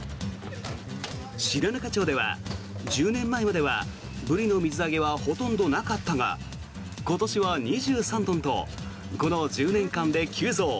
白糠町では１０年前まではブリの水揚げはほとんどなかったが今年は２３トンとこの１０年間で急増。